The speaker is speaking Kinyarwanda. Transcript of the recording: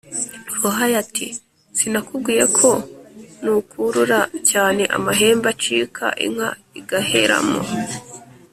Ruhaya ati: "Sinakubwiye ko nukurura cyane amahembe acika inka igaheramo?"